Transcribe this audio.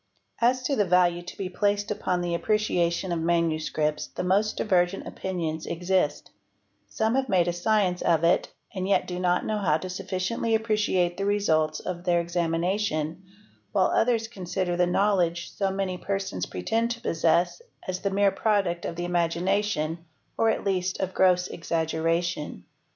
As to the value to be placed upon the appreciation of manuscripts the most divergent opinions exist; some have made a science of it and yet do not know how to sufficiently appreciate the results of their examination, while others consider the knowledge so many persons pretend to possess as the mere product of the imagination or at least of gross exaggeration.